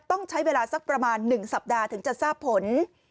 ต้องใช้เวลาสักประมาณ๑สัปดาห์ถึงจะทราบผล